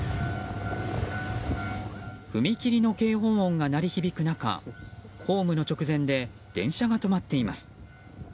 踏切の警報音が鳴り響く中ホームの直前で電車が止まっています。